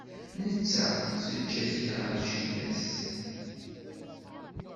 Netta teǧǧa-t-id ɣer jida-s.